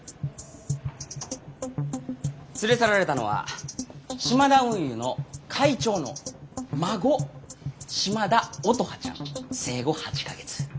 連れ去られたのはシマダ運輸の会長の孫島田乙葉ちゃん生後８か月。